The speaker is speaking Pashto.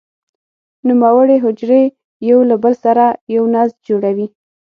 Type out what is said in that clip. نوموړې حجرې یو له بل سره یو نسج جوړوي.